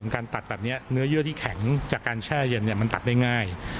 การตัดแบบนี้เนื้อเยื่อที่แข็งจากการแช่เย็นมันตัดได้ง่าย